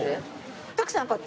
徳さんこっち？